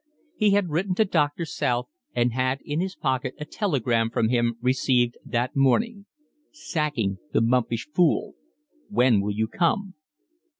He had written to Doctor South and had in his pocket a telegram from him received that morning: "Sacking the mumpish fool. When will you come?"